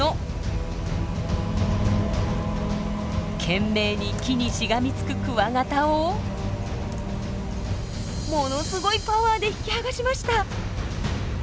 懸命に木にしがみつくクワガタをものすごいパワーで引き剥がしました。